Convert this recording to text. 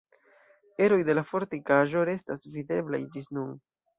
Eroj de la fortikaĵo restas videblaj ĝis nun.